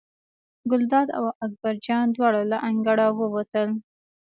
ګلداد او اکبر جان دواړه له انګړه ووتل.